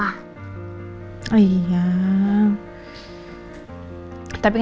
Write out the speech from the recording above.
ma aku udah kaget banget sama papa